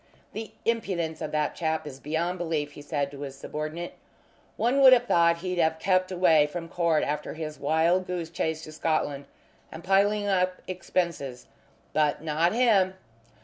"The impudence of that chap is beyond belief," he said to his subordinate. "One would have thought he'd have kept away from court after his wild goose chase to Scotland and piling up expenses, but not him!